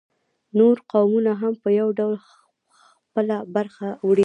نور قومونه هم په یو ډول خپله برخه وړي